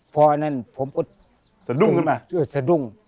พอนั้นผมก็สะดุ้ง